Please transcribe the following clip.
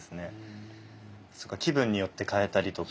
そうか気分によって替えたりとか？